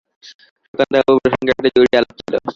সুধাকান্তবাবু প্রসঙ্গে একটা জরুরি আলাপ ছিল।